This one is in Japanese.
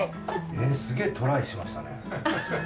すげぇトライしましたね。